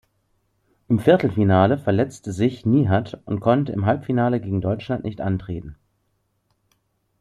Im Viertelfinale verletzte sich Nihat und konnte im Halbfinale gegen Deutschland nicht antreten.